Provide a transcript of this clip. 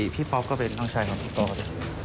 ป๊อปก็เป็นน้องชายของพี่ปอส